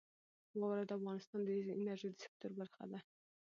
واوره د افغانستان د انرژۍ د سکتور برخه ده.